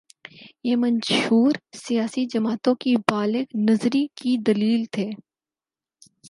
یہ منشور سیاسی جماعتوں کی بالغ نظری کی دلیل تھے۔